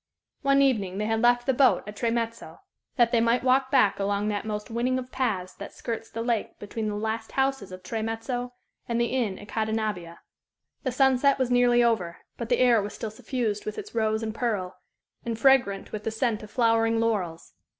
One evening they had left the boat at Tremezzo, that they might walk back along that most winning of paths that skirts the lake between the last houses of Tremezzo and the inn at Cadenabbia. The sunset was nearly over, but the air was still suffused with its rose and pearl, and fragrant with the scent of flowering laurels.